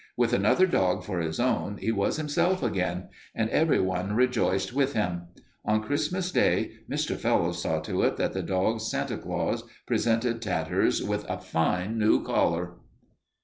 With another dog for his own he was himself again, and everyone rejoiced with him. On Christmas Day Mr. Fellowes saw to it that the dogs' Santa Claus presented Tatters with a fine new collar.